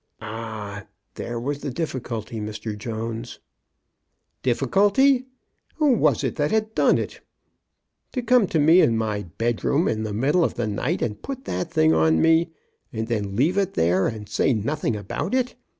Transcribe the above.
" Ah ! there was the difficulty, Mr. Jones." Difficulty ! Who was it that had done it? To come to me in my bedroom in the middle of the night and put that thing on me, and then leave it there and say nothing about it!